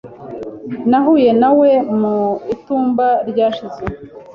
Nahuye na we mu itumba ryashize.